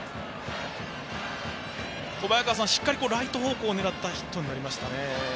小早川さん、しっかりライト方向を狙ったヒットになりましたかね。